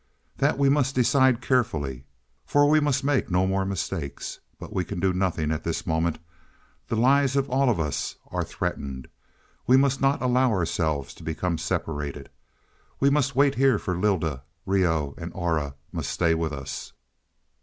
"That we must decide carefully, for we must make no more mistakes. But we can do nothing at this moment. The lives of all of us are threatened. We must not allow ourselves to become separated. We must wait here for Lylda. Reoh and Aura must stay with us.